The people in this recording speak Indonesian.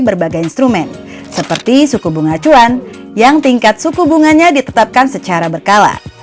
berbagai instrumen seperti suku bunga acuan yang tingkat suku bunganya ditetapkan secara berkala